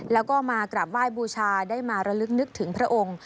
แล้วก็มากราบไหว้บูชาได้มาระลึกนึกถึงพระองค์